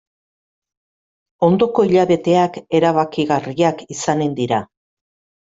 Ondoko hilabeteak erabakigarriak izanen dira.